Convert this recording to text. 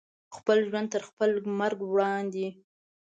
خپل ژوند تر خپل مرګ وړاندې